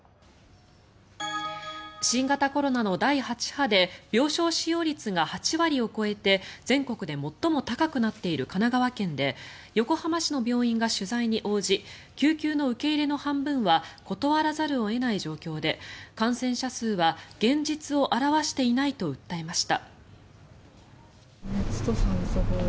新型コロナの第８波で病床使用率が８割を超えて全国で最も高くなっている神奈川県で横浜市の病院が取材に応じ救急の受け入れの半分は断らざるを得ない状況で感染者数は現実を表していないと訴えました。